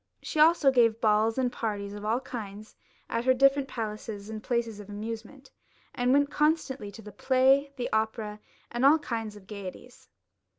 She also gave balls and parties of all kinds at her different palaces and places of amusement, and went constantly to the play, the opera, and all kinds of gaieties.